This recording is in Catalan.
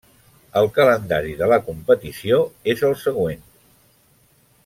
El calendari de la competició és el següent.